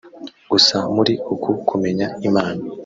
Gusa muri uku kumenya Imana